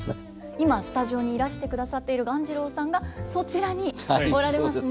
今スタジオにいらしてくださっている鴈治郎さんがそちらにおられますね。